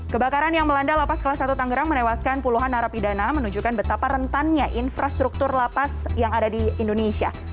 kebakaran yang melanda lapas kelas satu tangerang menewaskan puluhan narapidana menunjukkan betapa rentannya infrastruktur lapas yang ada di indonesia